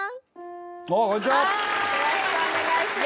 よろしくお願いします。